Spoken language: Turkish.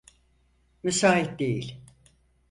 Müsait değil.